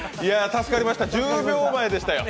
助かりました、１０秒前でしたよ。